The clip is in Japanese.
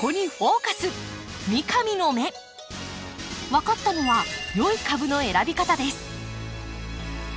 分かったのは良い株の選び方です。